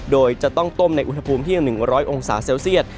โดยจะต้องต้มในอุณหภูมิที่๑๐๐องศาเซลเซียต